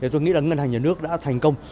tôi nghĩ là ngân hàng nhà nước đã thành công